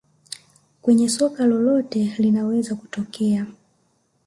Kwenye soka lolote linaweza kutokea